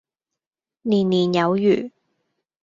年年有餘